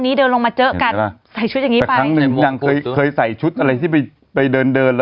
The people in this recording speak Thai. ที่ใส่แหลกขึ้นมาแล้วก็เดะแล้วผ้าเปิดอ่ะ